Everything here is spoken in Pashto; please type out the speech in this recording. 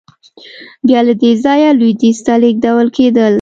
بیا له دې ځایه لوېدیځ ته لېږدول کېدل.